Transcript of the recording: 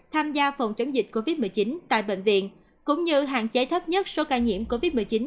tham gia phòng chống dịch covid một mươi chín tại bệnh viện cũng như hạn chế thấp nhất số ca nhiễm covid một mươi chín